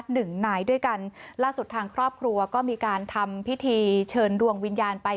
หนึ่งนายด้วยกันล่าสุดทางครอบครัวก็มีการทำพิธีเชิญดวงวิญญาณไป